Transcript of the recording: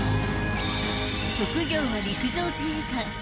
職業は陸上自衛官。